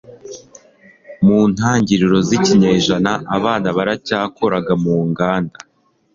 mu ntangiriro z'ikinyejana, abana baracyakoraga mu nganda